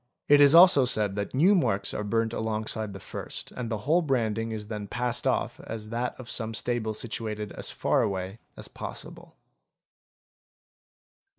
It is also said that new marks _ are burnt alongside the first and the whole branding is then passed off as that of some stable situated as far away as possible.